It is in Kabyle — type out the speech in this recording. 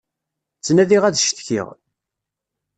Ttnadiɣ ad cektiɣ.